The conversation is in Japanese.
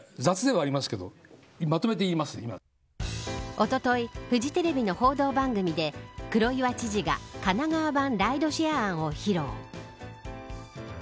おとといフジテレビの報道番組で黒岩知事が神奈川版ライドシェア案を披露。